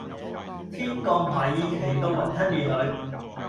天降米奇到雲吞麵裏